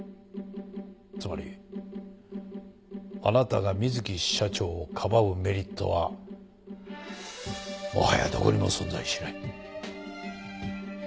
つまりあなたが水木支社長をかばうメリットはもはやどこにも存在しない。